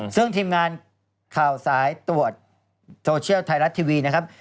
ซึ่งทีมงานข่าวสายตรวจโซเชียลไทยรัฐทีวีนะครับ